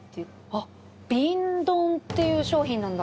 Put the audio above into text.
あっ瓶ドンっていう商品なんだ。